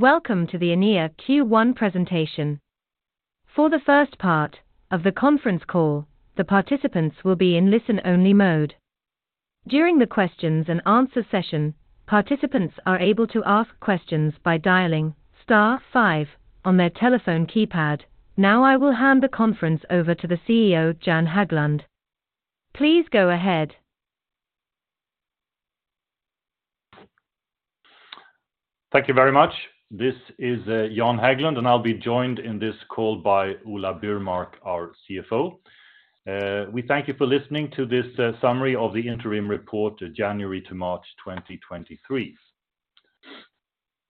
Welcome to the Enea Q1 presentation. For the first part of the conference call, the participants will be in listen-only mode. During the questions and answer session, participants are able to ask questions by dialing star five on their telephone keypad. Now I will hand the conference over to the CEO, Jan Häglund. Please go ahead. Thank you very much. This is Jan Häglund, I'll be joined in this call by Ola Burmark, our CFO. We thank you for listening to this summary of the interim report, January to March 2023.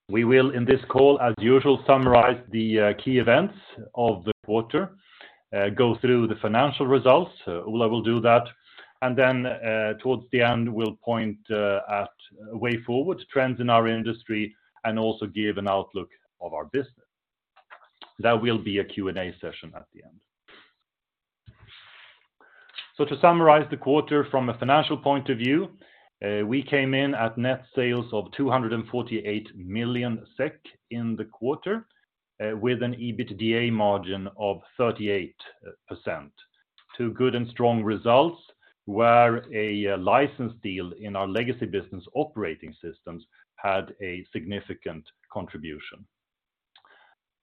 We will, in this call, as usual, summarize the key events of the quarter, go through the financial results. Ola will do that. Towards the end, we'll point at a way forward, trends in our industry, and also give an outlook of our business. There will be a Q&A session at the end. To summarize the quarter from a financial point of view, we came in at net sales of 248 million SEK in the quarter, with an EBITDA margin of 38%. Two good and strong results were a license deal in our legacy business Operating Systems had a significant contribution.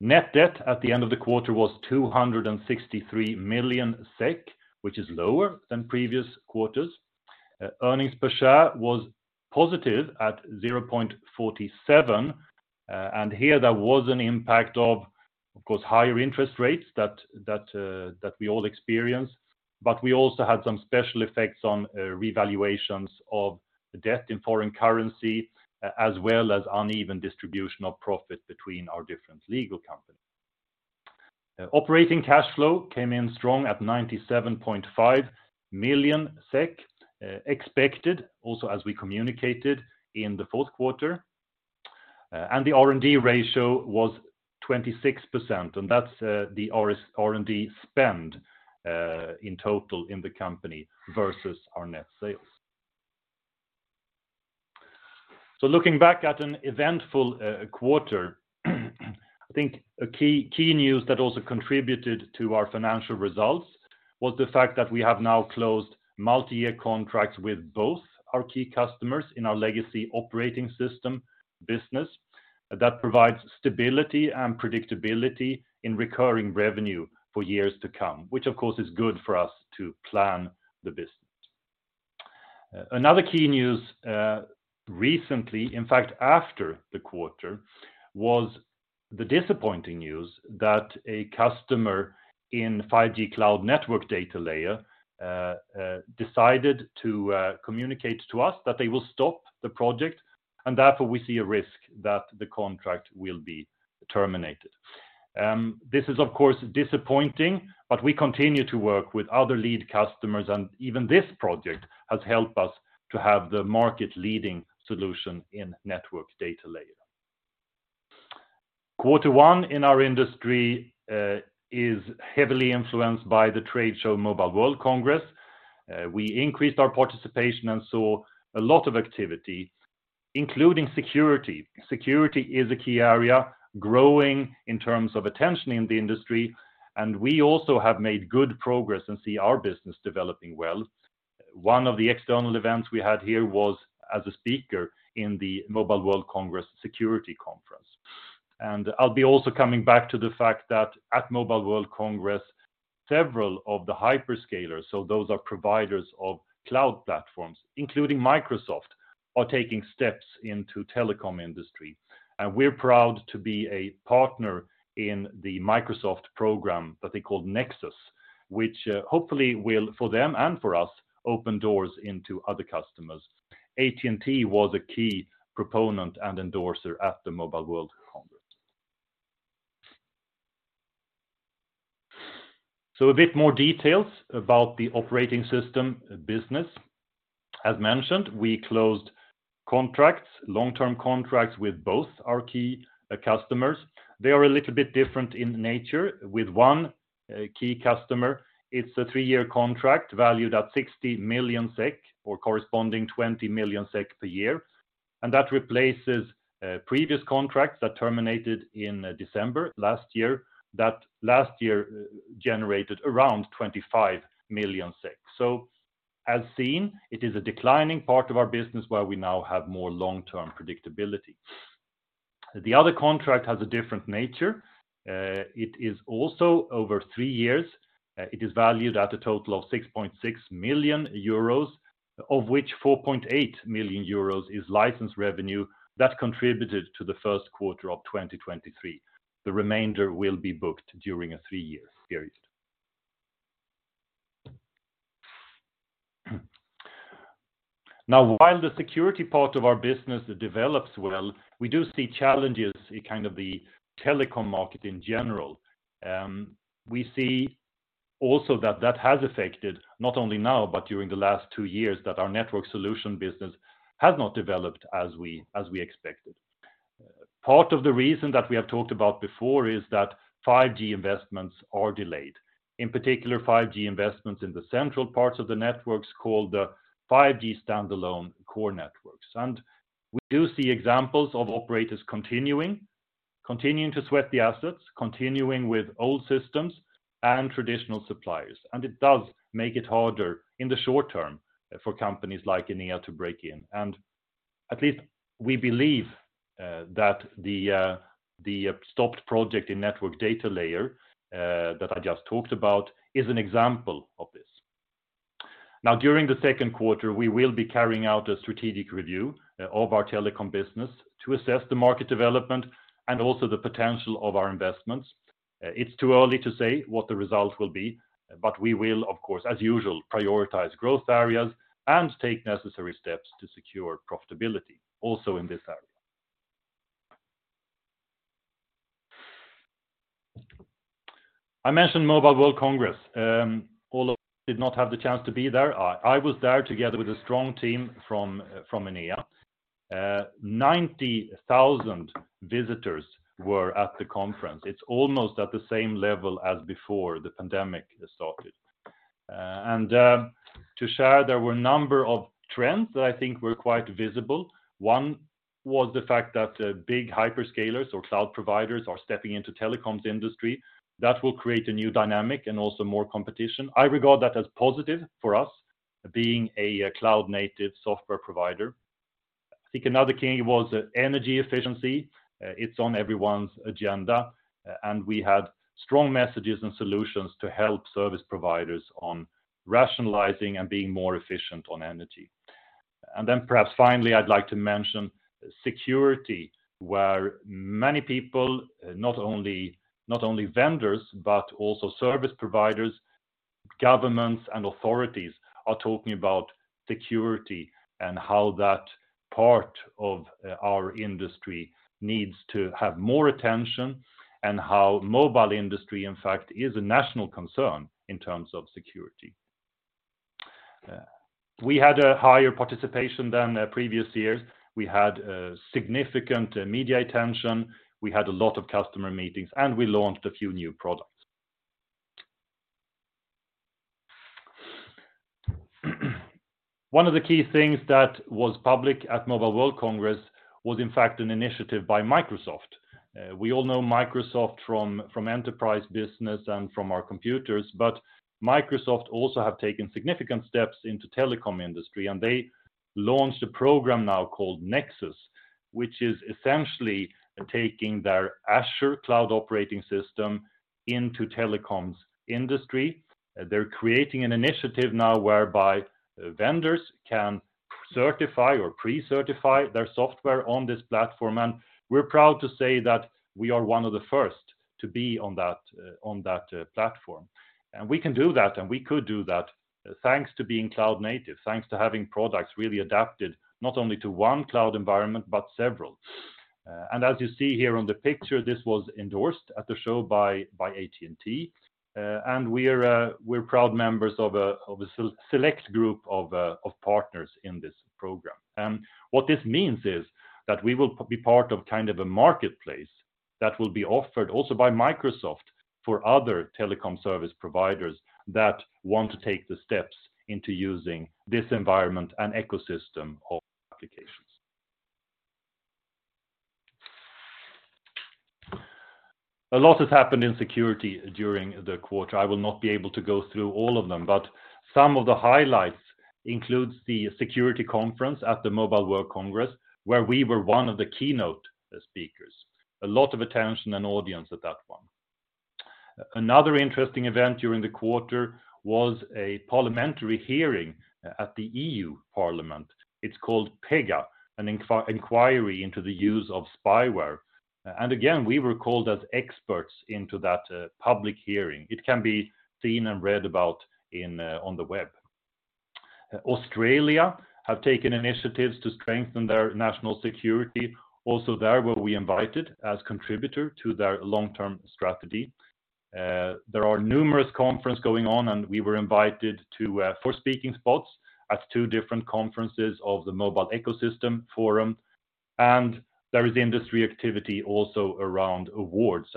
Net debt at the end of the quarter was 263 million SEK, which is lower than previous quarters. Earnings per share was positive at 0.47. Here there was an impact of course, higher interest rates that we all experience. We also had some special effects on revaluations of the debt in foreign currency, as well as uneven distribution of profit between our different legal companies. Operating cash flow came in strong at 97.5 million SEK, expected, also as we communicated in the fourth quarter. The R&D ratio was 26%, that's the R&D spend in total in the company versus our net sales. Looking back at an eventful quarter, I think a key news that also contributed to our financial results was the fact that we have now closed multi-year contracts with both our key customers in our legacy Operating Systems business. That provides stability and predictability in recurring revenue for years to come, which of course is good for us to plan the business. Another key news recently, in fact, after the quarter, was the disappointing news that a customer in 5G cloud Network Data Layer decided to communicate to us that they will stop the project, and therefore, we see a risk that the contract will be terminated. This is of course disappointing, but we continue to work with other lead customers, and even this project has helped us to have the market leading solution in Network Data Layer. Quarter 1 in our industry is heavily influenced by the trade show Mobile World Congress. We increased our participation and saw a lot of activity, including security. Security is a key area growing in terms of attention in the industry. We also have made good progress and see our business developing well. One of the external events we had here was as a speaker in the Mobile World Congress Security Conference. I'll be also coming back to the fact that at Mobile World Congress, several of the hyperscalers, so those are providers of cloud platforms, including Microsoft, are taking steps into telecom industry. We're proud to be a partner in the Microsoft program that they call Nexus, which, hopefully will, for them and for us, open doors into other customers. AT&T was a key proponent and endorser at the Mobile World Congress. A bit more details about the Operating Systems business. As mentioned, we closed contracts, long-term contracts with both our key customers. They are a little bit different in nature. With one key customer, it's a 3-year contract valued at 60 million SEK or corresponding 20 million SEK per year. That replaces previous contracts that terminated in December last year, that last year generated around 25 million. As seen, it is a declining part of our business where we now have more long-term predictability. The other contract has a different nature. It is also over 3 years. It is valued at a total of 6.6 million euros, of which 4.8 million euros is license revenue that contributed to the first quarter of 2023. The remainder will be booked during a 3-year period. While the security part of our business develops well, we do see challenges in kind of the telecom market in general. We see also that that has affected not only now but during the last two years that our Network Solutions business has not developed as we expected. Part of the reason that we have talked about before is that 5G investments are delayed. In particular 5G investments in the central parts of the networks called the 5G standalone core networks. We do see examples of operators continuing to sweat the assets, continuing with old systems and traditional suppliers. It does make it harder in the short term for companies like Enea to break in. At least we believe that the stopped project in Network Data Layer that I just talked about is an example of this. During the second quarter, we will be carrying out a strategic review of our telecom business to assess the market development and also the potential of our investments. It's too early to say what the results will be, we will, of course, as usual, prioritize growth areas and take necessary steps to secure profitability also in this area. I mentioned Mobile World Congress. Although I did not have the chance to be there, I was there together with a strong team from Enea. 90,000 visitors were at the conference. It's almost at the same level as before the pandemic started. To share, there were a number of trends that I think were quite visible. One was the fact that big hyperscalers or cloud providers are stepping into telecoms industry. That will create a new dynamic and also more competition. I regard that as positive for us being a cloud-native software provider. I think another key was energy efficiency. It's on everyone's agenda, and we had strong messages and solutions to help service providers on rationalizing and being more efficient on energy. Perhaps finally, I'd like to mention security, where many people, not only vendors, but also service providers, governments, and authorities are talking about security and how that part of our industry needs to have more attention and how mobile industry, in fact, is a national concern in terms of security. We had a higher participation than the previous years. We had significant media attention. We had a lot of customer meetings, and we launched a few new products. One of the key things that was public at Mobile World Congress was in fact an initiative by Microsoft. We all know Microsoft from enterprise business and from our computers, but Microsoft also have taken significant steps into telecom industry, and they launched a program now called Nexus, which is essentially taking their Azure cloud operating system into telecoms industry. They're creating an initiative now whereby vendors can certify or pre-certify their software on this platform. We're proud to say that we are one of the first to be on that, on that platform. We can do that, and we could do that thanks to being cloud native, thanks to having products really adapted not only to one cloud environment, but several. As you see here on the picture, this was endorsed at the show by AT&T. We're proud members of a select group of partners in this program. What this means is that we will be part of kind of a marketplace that will be offered also by Microsoft for other telecom service providers that want to take the steps into using this environment and ecosystem of applications. A lot has happened in security during the quarter. I will not be able to go through all of them, but some of the highlights includes the security conference at the Mobile World Congress, where we were one of the keynote speakers. A lot of attention and audience at that one. Another interesting event during the quarter was a parliamentary hearing at the EU Parliament. It's called PEGA, an inquiry into the use of spyware. Again, we were called as experts into that public hearing. It can be seen and read about in on the web. Australia have taken initiatives to strengthen their national security. There were we invited as contributor to their long-term strategy. There are numerous conference going on, we were invited to for speaking spots at two different conferences of the Mobile Ecosystem Forum. There is industry activity also around awards.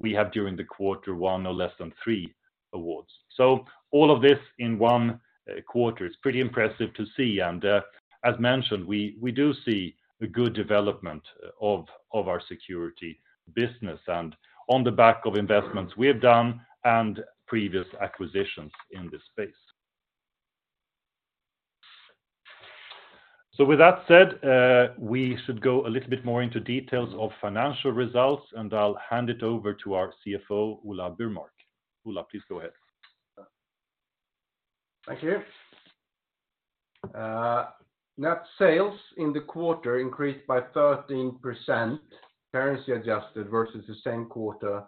We have during the quarter won no less than three awards. All of this in one quarter, it's pretty impressive to see. As mentioned, we do see a good development of our security business and on the back of investments we have done and previous acquisitions in this space. With that said, we should go a little bit more into details of financial results, I'll hand it over to our CFO, Ola Burmark. Ola, please go ahead. Thank you. Net sales in the quarter increased by 13%, currency adjusted, versus the same quarter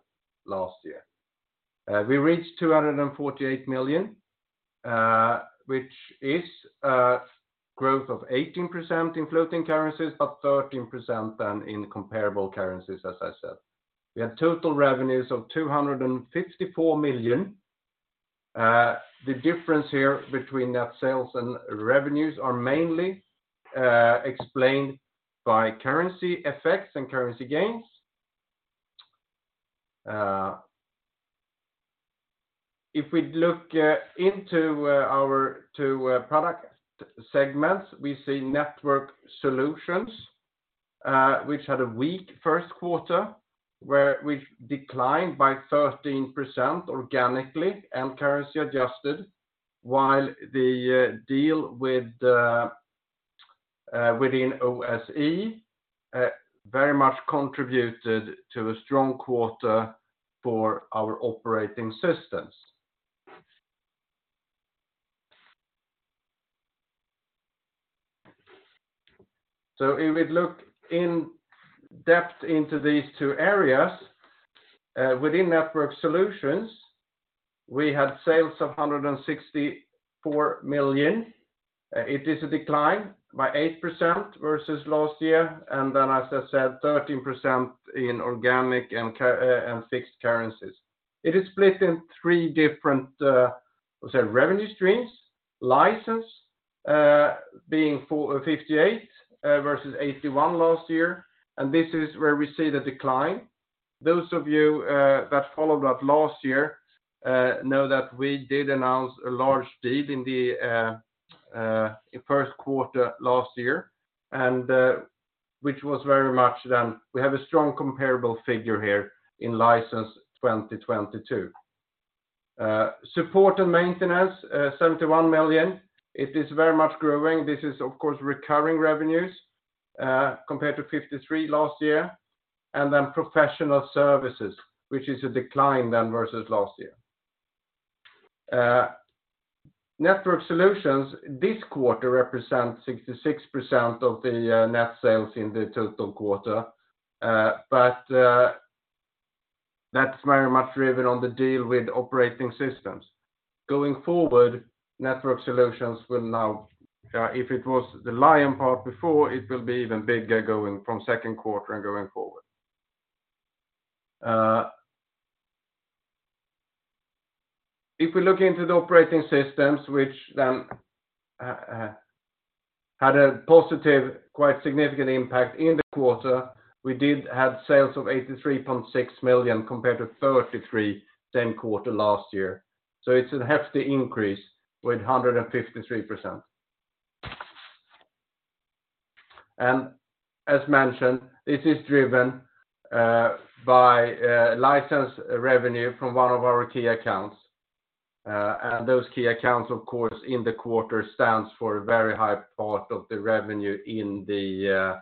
last year. We reached 248 million, which is growth of 18% in floating currencies, but 13% then in comparable currencies, as I said. We had total revenues of 254 million. The difference here between net sales and revenues are mainly explained by currency effects and currency gains. If we look into our two product segments, we see Network Solutions, which had a weak first quarter, which declined by 13% organically and currency adjusted, while the deal with the within OSE very much contributed to a strong quarter for our Operating Systems. If we look in depth into these two areas, within Network Solutions, we had sales of 164 million. It is a decline by 8% versus last year, and then as I said, 13% in organic and fixed currencies. It is split in three different, let's say, revenue streams. License, being 58 million versus 81 million last year. This is where we see the decline. Those of you that followed that last year, know that we did announce a large deal in the first quarter last year, which was very much then. We have a strong comparable figure here in license 2022. Support and maintenance, 71 million. It is very much growing. This is of course recurring revenues, compared to 53 million last year. Professional services, which is a decline then versus last year. Network Solutions this quarter represents 66% of the net sales in the total quarter. That's very much driven on the deal with Operating Systems. Going forward, Network Solutions will now, if it was the lion part before, it will be even bigger going from second quarter and going forward. If we look into the Operating Systems, which then had a positive, quite significant impact in the quarter, we did have sales of 83.6 million compared to 33 same quarter last year. It's a hefty increase with 153%. As mentioned, it is driven by license revenue from one of our key accounts. Those key accounts of course in the quarter stands for a very high part of the revenue in the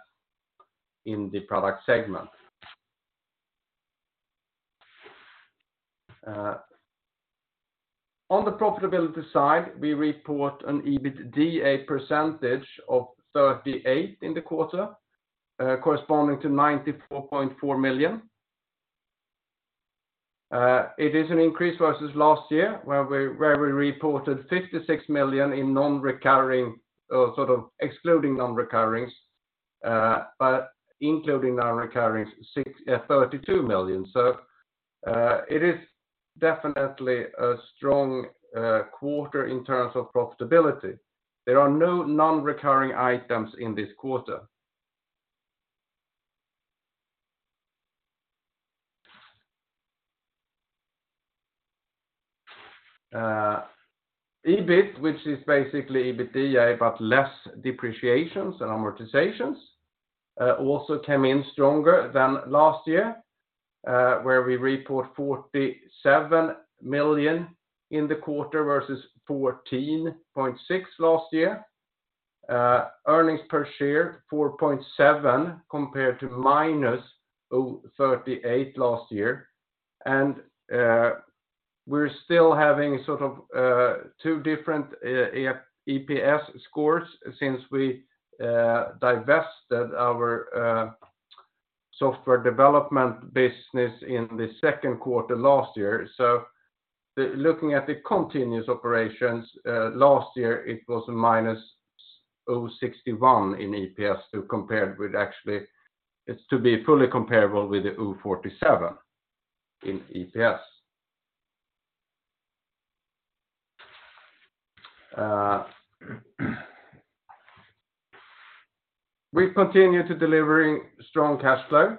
product segment. On the profitability side, we report an EBITDA percentage of 38% in the quarter, corresponding to 94.4 million. It is an increase versus last year, where we reported 56 million in non-recurring, or sort of excluding non-recurrings, but including non-recurrings 32 million. It is definitely a strong quarter in terms of profitability. There are no non-recurring items in this quarter. EBIT, which is basically EBITDA, but less depreciations and amortizations, also came in stronger than last year, where we report 47 million in the quarter versus 14.6 last year. Earnings per share, 4.7 compared to minus 38 last year. We're still having sort of two different EPS scores since we divested our software development business in the second quarter last year. Looking at the continuous operations, last year it was a minus 61 in EPS compared with. It's to be fully comparable with the 47 in EPS. We continue to delivering strong cash flow.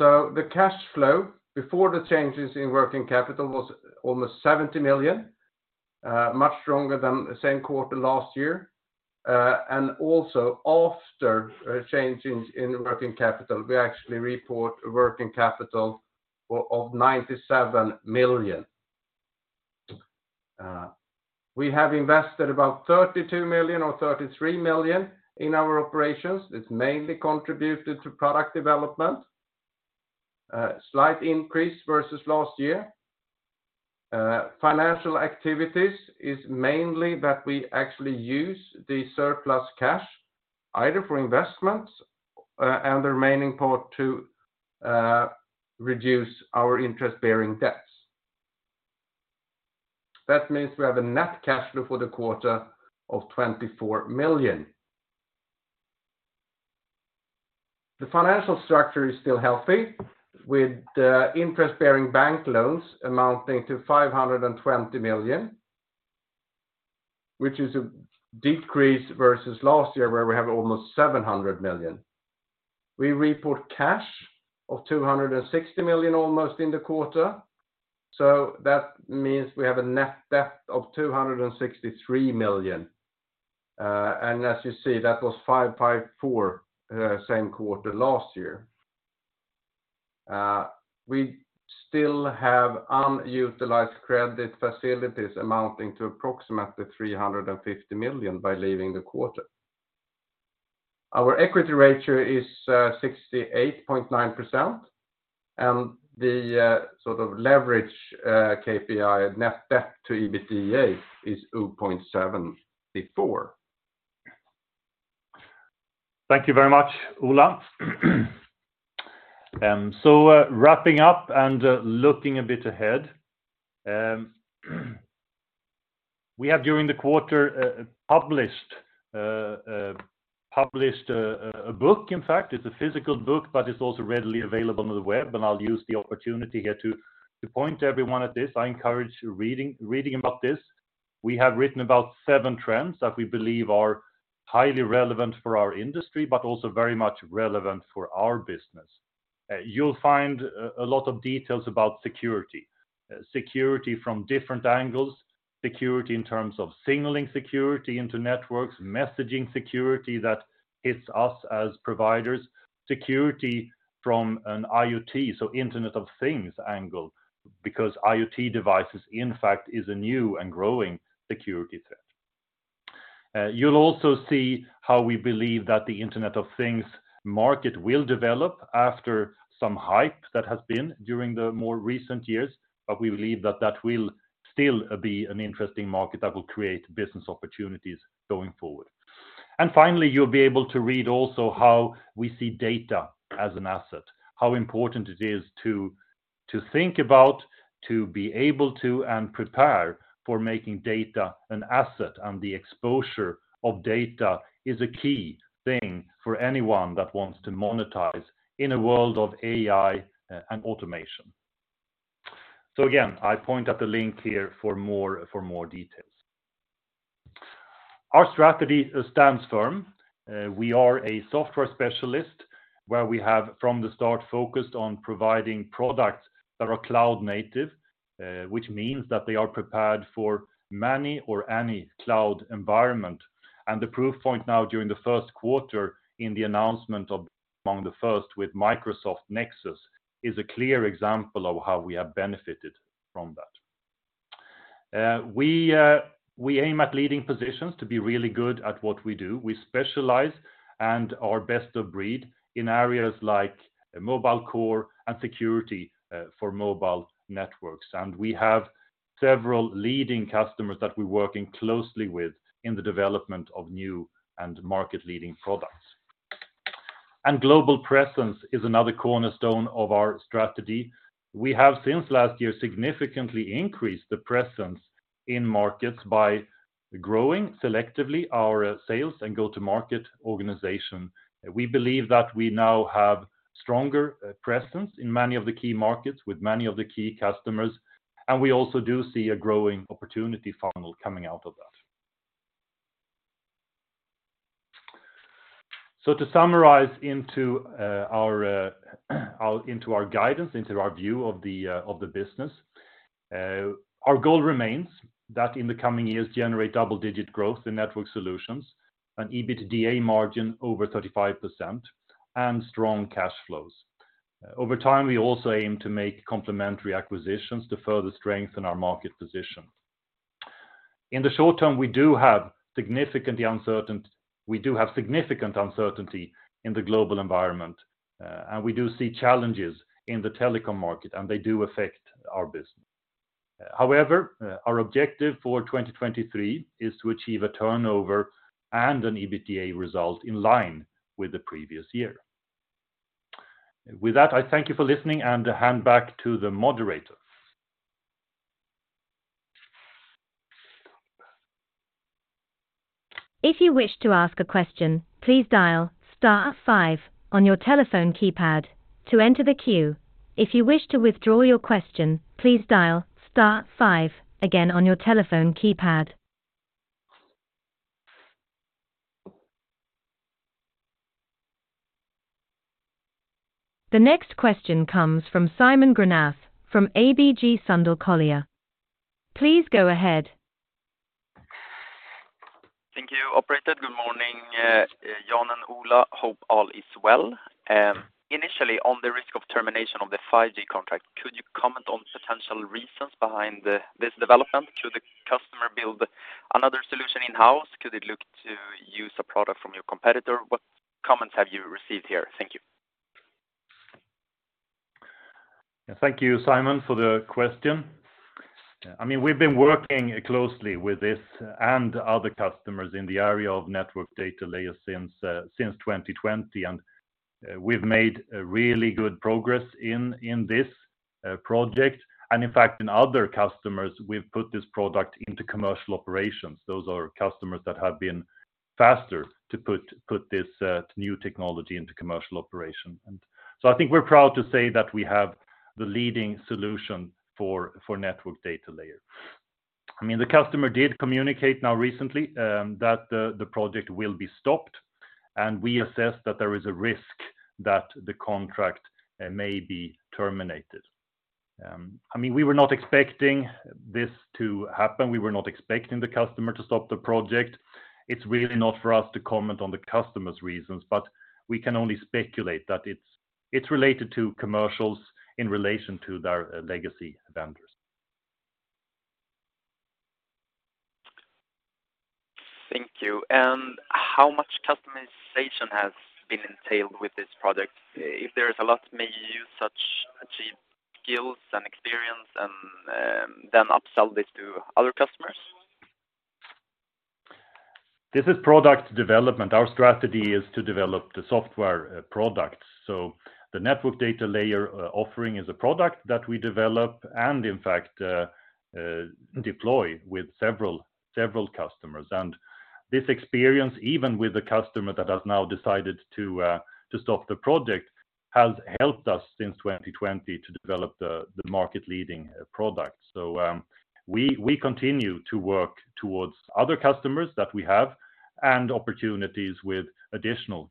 The cash flow before the changes in working capital was almost 70 million, much stronger than the same quarter last year. After changes in working capital, we actually report a working capital of 97 million. We have invested about 32 million or 33 million in our operations. It's mainly contributed to product development. Slight increase versus last year. Financial activities is mainly that we actually use the surplus cash either for investments, and the remaining part to reduce our interest-bearing debts. That means we have a net cash flow for the quarter of 24 million. The financial structure is still healthy with interest-bearing bank loans amounting to 520 million, which is a decrease versus last year where we have almost 700 million. We report cash of 260 million almost in the quarter. That means we have a net debt of 263 million. And as you see, that was 554 million same quarter last year. We still have unutilized credit facilities amounting to approximately 350 million by leaving the quarter. Our equity ratio is 68.9%, and the sort of leverage KPI net debt to EBITDA is 0.7 before. Thank you very much, Ola. Wrapping up and looking a bit ahead. We have during the quarter published a book. In fact, it's a physical book, but it's also readily available on the web, and I'll use the opportunity here to point everyone at this. I encourage reading about this. We have written about seven trends that we believe are highly relevant for our industry, but also very much relevant for our business. You'll find a lot of details about security. Security from different angles, security in terms of signaling security into networks, messaging security that hits us as providers, security from an IoT, so Internet of Things angle, because IoT devices, in fact, is a new and growing security threat. You'll also see how we believe that the Internet of Things market will develop after some hype that has been during the more recent years. We believe that that will still be an interesting market that will create business opportunities going forward. Finally, you'll be able to read also how we see data as an asset, how important it is to think about, to be able to, and prepare for making data an asset. The exposure of data is a key thing for anyone that wants to monetize in a world of AI and automation. Again, I point at the link here for more details. Our strategy stands firm. We are a software specialist where we have from the start focused on providing products that are cloud native, which means that they are prepared for many or any cloud environment. The proof point now during the first quarter in the announcement of among the first with Microsoft Nexus is a clear example of how we have benefited from that. We aim at leading positions to be really good at what we do. We specialize and are best of breed in areas like mobile core and security for mobile networks. We have several leading customers that we're working closely with in the development of new and market-leading products. Global presence is another cornerstone of our strategy. We have, since last year, significantly increased the presence in markets by growing selectively our sales and go-to-market organization. We believe that we now have stronger presence in many of the key markets with many of the key customers, and we also do see a growing opportunity funnel coming out of that. To summarize into our guidance, into our view of the business, our goal remains that in the coming years, generate double-digit growth in Network Solutions, an EBITDA margin over 35%, and strong cash flows. Over time, we also aim to make complementary acquisitions to further strengthen our market position. In the short term, we do have significant uncertainty in the global environment, and we do see challenges in the telecom market, and they do affect our business. However, our objective for 2023 is to achieve a turnover and an EBITDA result in line with the previous year. With that, I thank you for listening and hand back to the moderator. If you wish to ask a question, please dial star five on your telephone keypad to enter the queue. If you wish to withdraw your question, please dial star five again on your telephone keypad. The next question comes from Simon Granath from ABG Sundal Collier. Please go ahead. Thank you, operator. Good morning, Jan and Ola. Hope all is well. Initially, on the risk of termination of the 5G contract, could you comment on potential reasons behind this development? Should the customer build another solution in-house? Could it look to use a product from your competitor? What comments have you received here? Thank you. Thank you, Simon, for the question. I mean, we've been working closely with this and other customers in the area of Network Data Layer since 2020, we've made really good progress in this project. In fact, in other customers, we've put this product into commercial operations. Those are customers that have been faster to put this new technology into commercial operation. I think we're proud to say that we have the leading solution for Network Data Layer. I mean, the customer did communicate now recently that the project will be stopped, we assess that there is a risk that the contract may be terminated. I mean, we were not expecting this to happen. We were not expecting the customer to stop the project. It's really not for us to comment on the customer's reasons, but we can only speculate that it's related to commercials in relation to their legacy vendors. Thank you. How much customization has been entailed with this product? If there is a lot, may you use such achieved skills and experience and, then upsell this to other customers? This is product development. Our strategy is to develop the software products. The Network Data Layer offering is a product that we develop and, in fact, deploy with several customers. This experience, even with the customer that has now decided to stop the project, has helped us since 2020 to develop the market leading product. We continue to work towards other customers that we have and opportunities with additional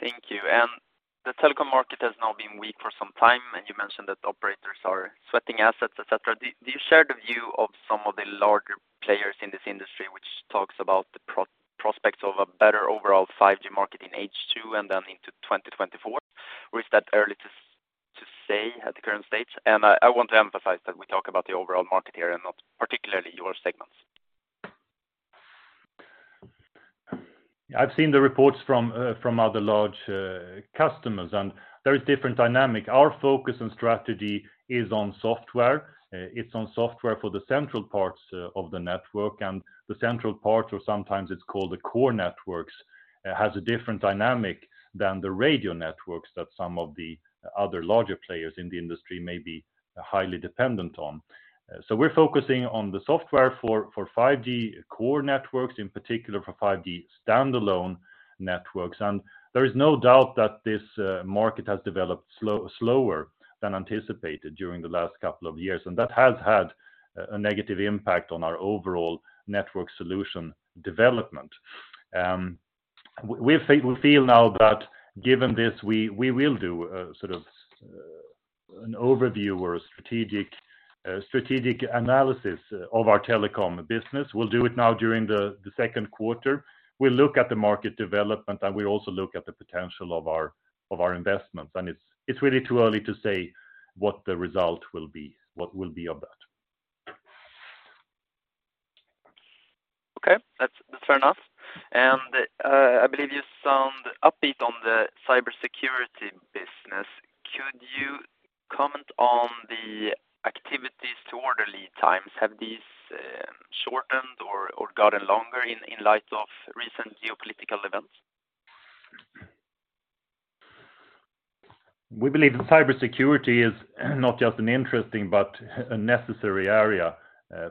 customers going forward. Thank you. The telecom market has now been weak for some time, and you mentioned that operators are sweating assets, et cetera. Do you share the view of some of the larger players in this industry which talks about the prospects of a better overall 5G market in H2 and then into 2024? Or is that early to say at the current state? I want to emphasize that we talk about the overall market here and not particularly your segments. I've seen the reports from from other large customers, and there is different dynamic. Our focus and strategy is on software. It's on software for the central parts of the network, and the central part, or sometimes it's called the core networks, has a different dynamic than the radio networks that some of the other larger players in the industry may be highly dependent on. We're focusing on the software for 5G core networks, in particular for 5G standalone networks. There is no doubt that this market has developed slower than anticipated during the last couple of years. That has had a negative impact on our overall network solution development. We feel now that given this, we will do a sort of an overview or a strategic strategic analysis of our telecom business. We'll do it now during the second quarter. We'll look at the market development, we'll also look at the potential of our investments. It's really too early to say what the result will be, what will be of that. Okay. That's, that's fair enough. I believe you sound upbeat on the cybersecurity business. Could you comment on the activities to order lead times? Have these shortened or gotten longer in light of recent geopolitical events? We believe that cybersecurity is not just an interesting but a necessary area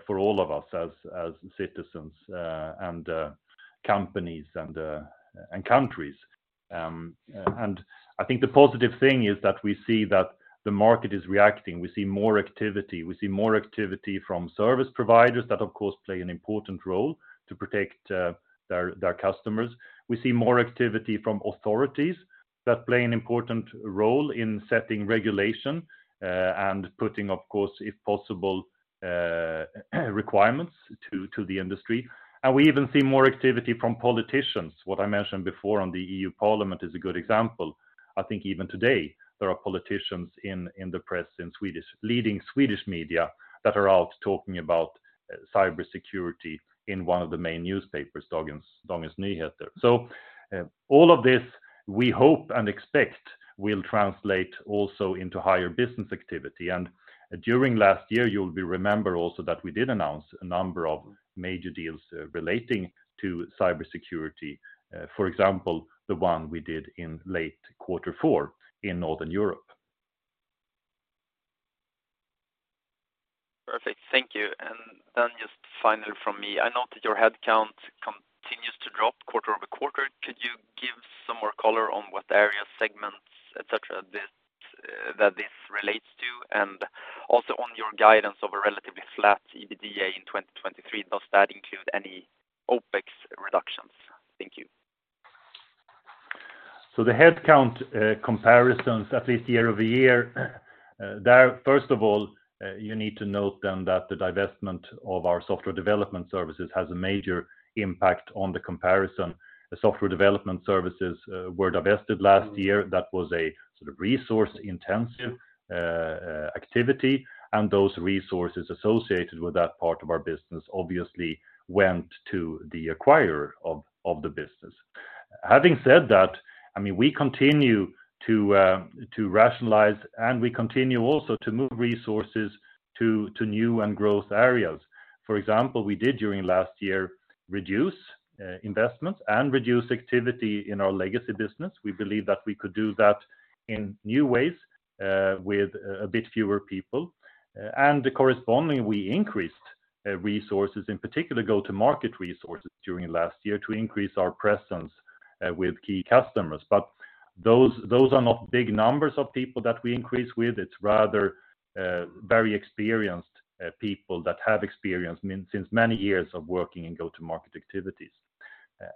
for all of us as citizens, and companies and countries. I think the positive thing is that we see that the market is reacting. We see more activity. We see more activity from service providers that of course play an important role to protect their customers. We see more activity from authorities that play an important role in setting regulation, and putting, of course, if possible, requirements to the industry. We even see more activity from politicians. What I mentioned before on the European Parliament is a good example. I think even today, there are politicians in the press in Swedish, leading Swedish media that are out talking about cybersecurity in one of the main newspapers, Dagens Nyheter. All of this, we hope and expect will translate also into higher business activity. During last year, you'll be remember also that we did announce a number of major deals relating to cybersecurity, for example, the one we did in late quarter four in Northern Europe. Perfect. Thank you. Then just final from me. I note that your head count continues to drop quarter-over-quarter. Could you give some more color on what areas, segments, et cetera, that this relates to? Also on your guidance of a relatively flat EBITDA in 2023, does that include any OpEx reductions? Thank you. The head count comparisons, at least year-over-year, there, first of all, you need to note that the divestment of our software development services has a major impact on the comparison. The software development services were divested last year. That was a sort of resource-intensive activity, and those resources associated with that part of our business obviously went to the acquirer of the business. Having said that, I mean, we continue to rationalize and we continue also to move resources to new and growth areas. For example, we did during last year, reduce investments and reduce activity in our legacy business. We believe that we could do that in new ways with a bit fewer people. Correspondingly, we increased resources, in particular go-to-market resources during last year to increase our presence with key customers. Those are not big numbers of people that we increase with. It's rather very experienced people that have experience since many years of working in go-to-market activities.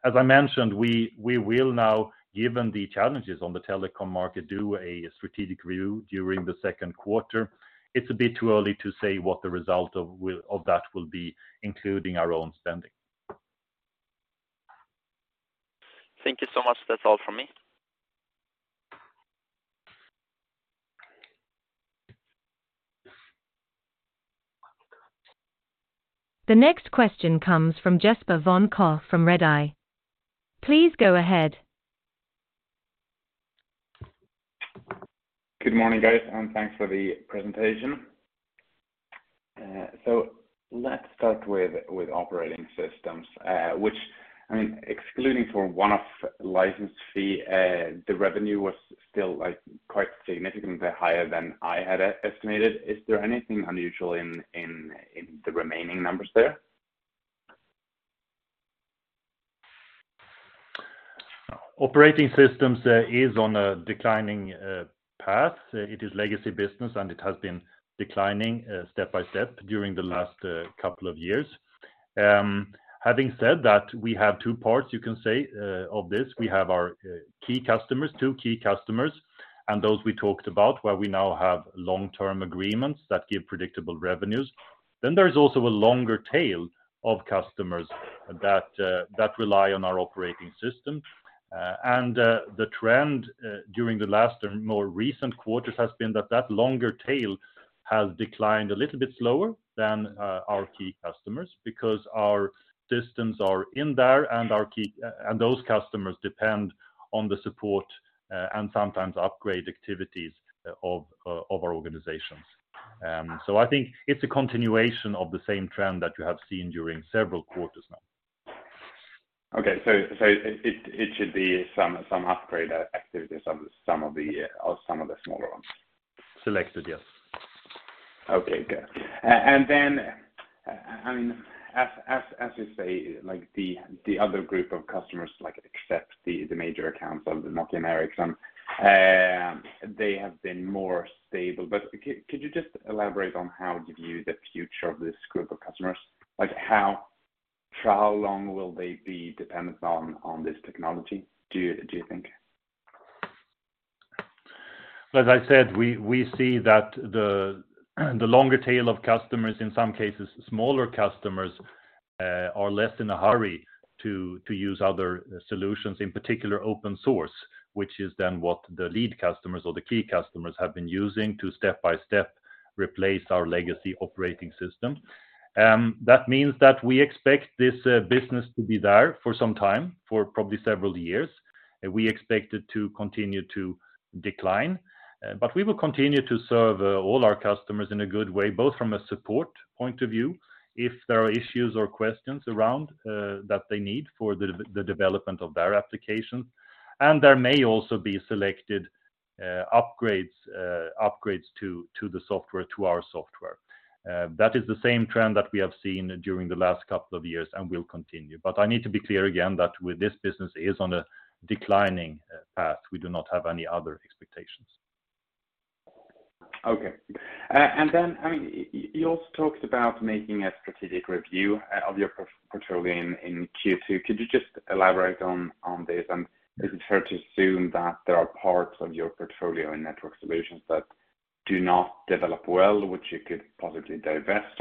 As I mentioned, we will now, given the challenges on the telecom market, do a strategic review during the second quarter. It's a bit too early to say what the result of that will be, including our own standing. Thank you so much. That's all from me. The next question comes from Jesper von Koch from Redeye. Please go ahead. Good morning, guys, and thanks for the presentation. Let's start with Operating Systems, I mean, excluding for one-off license fee, the revenue was still, like, quite significantly higher than I had estimated. Is there anything unusual in the remaining numbers there? Operating Systems is on a declining path. It is legacy business, and it has been declining step by step during the last couple of years. Having said that, we have two parts, you can say, of this. We have our key customers, two key customers, and those we talked about, where we now have long-term agreements that give predictable revenues. There's also a longer tail of customers that rely on our operating system. The trend during the last and more recent quarters has been that longer tail has declined a little bit slower than our key customers because our systems are in there and those customers depend on the support and sometimes upgrade activities of our organizations. I think it's a continuation of the same trend that you have seen during several quarters now. Okay. So it should be some upgrade activity or some of the smaller ones. Selected, yes. Okay, good. I mean, as you say, like, the other group of customers, like, except the major accounts of the Nokia and Ericsson, they have been more stable. Could you just elaborate on how you view the future of this group of customers? Like, how, for how long will they be dependent on this technology, do you think? As I said, we see that the longer tail of customers, in some cases, smaller customers, are less in a hurry to use other solutions, in particular open source, which is then what the lead customers or the key customers have been using to step-by-step replace our legacy Operating System. That means that we expect this business to be there for some time, for probably several years. We expect it to continue to decline. We will continue to serve all our customers in a good way, both from a support point of view, if there are issues or questions around that they need for the development of their application. There may also be selected upgrades to the software, to our software. That is the same trend that we have seen during the last couple of years and will continue. I need to be clear again that with this business is on a declining path. We do not have any other expectations. Okay. I mean, you also talked about making a strategic review of your portfolio in Q2. Could you just elaborate on this? Is it fair to assume that there are parts of your portfolio in Network Solutions that do not develop well, which you could possibly divest?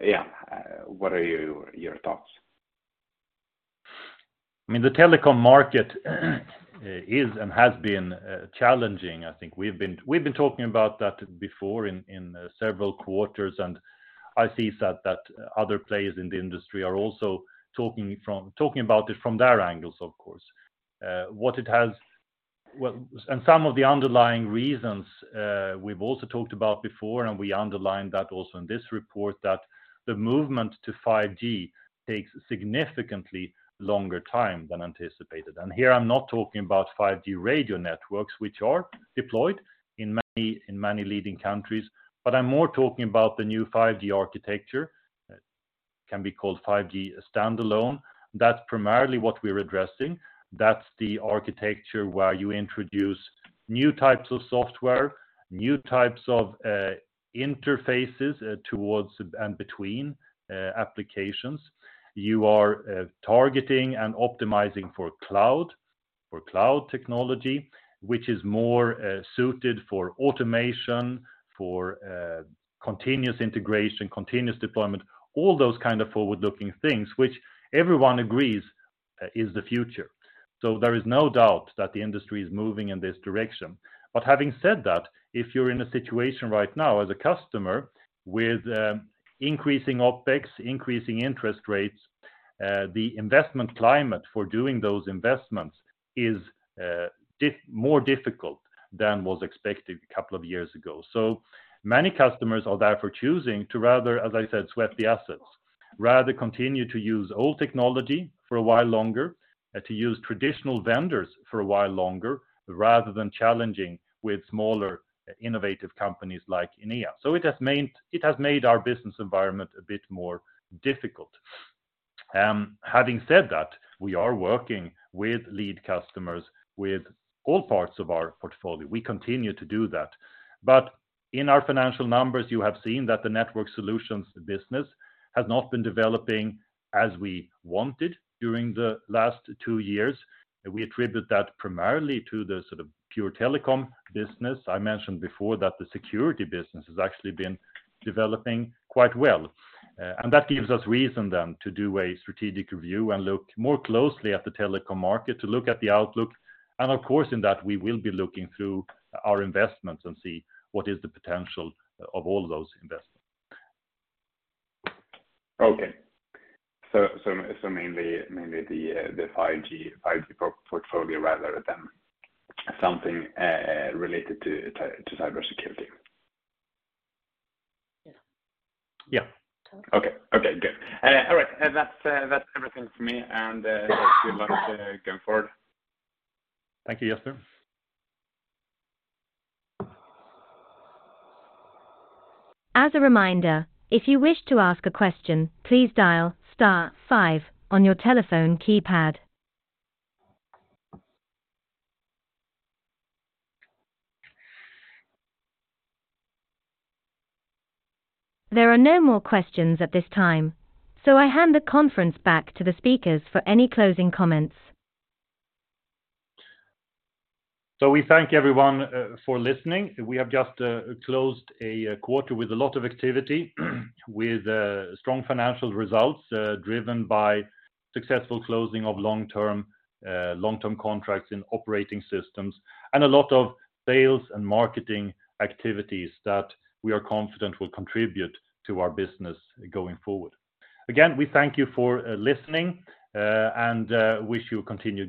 Yeah, what are your thoughts? I mean, the telecom market is and has been challenging. I think we've been talking about that before in several quarters, and I see that other players in the industry are also talking about it from their angles, of course. Well, and some of the underlying reasons, we've also talked about before, and we underlined that also in this report, that the movement to 5G takes significantly longer time than anticipated. Here I'm not talking about 5G radio networks, which are deployed in many leading countries, but I'm more talking about the new 5G architecture. It can be called 5G standalone. That's primarily what we're addressing. That's the architecture where you introduce new types of software, new types of interfaces, towards and between applications. You are targeting and optimizing for cloud, for cloud technology, which is more suited for automation, for continuous integration, continuous deployment, all those kind of forward-looking things, which everyone agrees is the future. There is no doubt that the industry is moving in this direction. Having said that, if you're in a situation right now as a customer with increasing OpEx, increasing interest rates. The investment climate for doing those investments is more difficult than was expected a couple of years ago. Many customers are therefore choosing to rather, as I said, sweat the assets, rather continue to use old technology for a while longer, to use traditional vendors for a while longer rather than challenging with smaller innovative companies like Enea. It has made, it has made our business environment a bit more difficult. Having said that, we are working with lead customers with all parts of our portfolio. We continue to do that. In our financial numbers, you have seen that the Network Solutions business has not been developing as we wanted during the last two years. We attribute that primarily to the sort of pure telecom business. I mentioned before that the security business has actually been developing quite well, and that gives us reason then to do a strategic review and look more closely at the telecom market to look at the outlook. Of course, in that we will be looking through our investments and see what is the potential of all those investments. Okay. Mainly the 5G pro-portfolio rather than something related to cybersecurity? Yeah. Okay. Okay. Good. All right. That's, that's everything for me and good luck going forward. Thank you, Jesper. As a reminder, if you wish to ask a question, please dial star five on your telephone keypad. There are no more questions at this time, so I hand the conference back to the speakers for any closing comments. We thank everyone for listening. We have just closed a quarter with a lot of activity, with strong financial results, driven by successful closing of long-term, long-term contracts in Operating Systems, and a lot of sales and marketing activities that we are confident will contribute to our business going forward. Again, we thank you for listening, and wish you continued good-